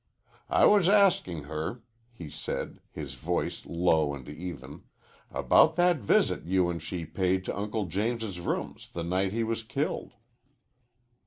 "I was asking her," he said, his voice low and even, "about that visit you and she paid to Uncle James's rooms the night he was killed."